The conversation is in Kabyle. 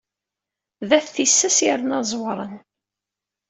D at tissas yerna ẓewren.